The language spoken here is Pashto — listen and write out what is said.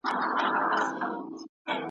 مُلا را ووزي مرد میدان سي `